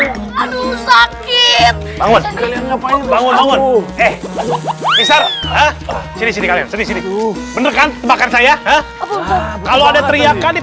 ini aduh sakit bangun bangun eh bisa sini sini bener kan tebakan saya kalau ada teriakan di